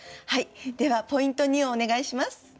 ではポイント２をお願いします。